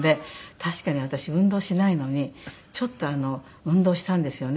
確かに私運動しないのにちょっと運動したんですよね